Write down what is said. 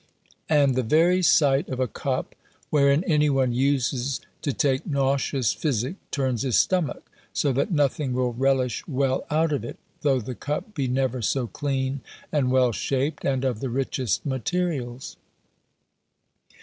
And the very sight of a cup, wherein any one uses to take nauseous physic, turns his stomach; so that nothing will relish well out of it, though the cup be never so clean and well shaped, and of the richest materials."